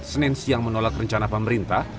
senin siang menolak rencana pemerintah